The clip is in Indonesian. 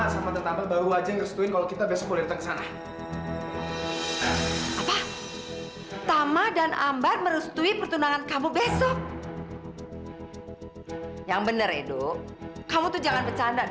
sampai jumpa di video selanjutnya